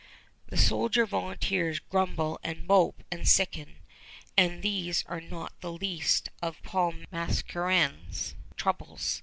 The soldier volunteers grumble and mope and sicken. And these are not the least of Paul Mascarene's troubles.